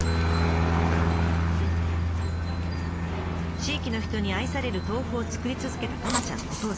地域の人に愛される豆腐を作り続けたたまちゃんのお父さん。